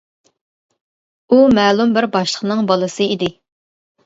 ئۇ مەلۇم بىر باشلىقنىڭ بالىسى ئىدى.